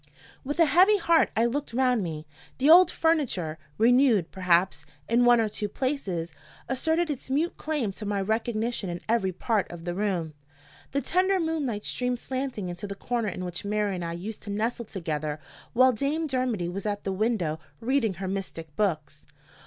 With a heavy heart I looked round me. The old furniture renewed, perhaps, in one or two places asserted its mute claim to my recognition in every part of the room. The tender moonlight streamed slanting into the corner in which Mary and I used to nestle together while Dame Dermody was at the window reading her mystic books.